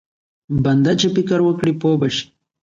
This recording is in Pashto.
بنده چې فکر وکړي پوه به شي.